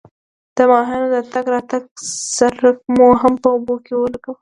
د ماهیانو د تګ راتګ څرک مو هم په اوبو کې ولګاوه.